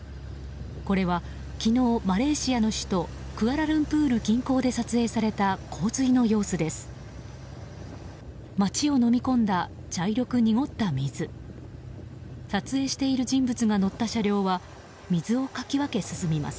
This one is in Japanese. これは昨日マレーシアの首都クアラルンプール近郊で撮影された洪水の様子です。